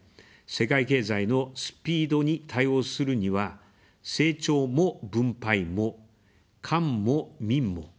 世界経済のスピードに対応するには「成長も分配も」「官も民も」